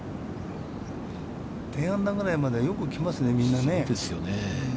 １０アンダーぐらいまではよく来ますね、みんなね。